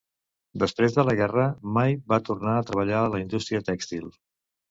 Després de la guerra, May va tornar a treballar a la indústria tèxtil.